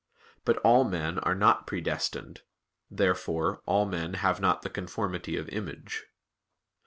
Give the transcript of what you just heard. But all men are not predestined. Therefore all men have not the conformity of image.